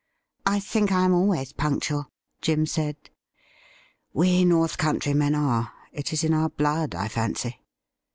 ' I think I am always punctual,' Jim said. 'We North Country men are. It is in our blood, I fancy.